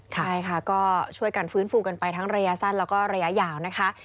ใช่ค่ะก็ช่วยกันฟื้นฟูกันไปทั้งระยะสั้นแล้วก็ระยะยาวนะคะ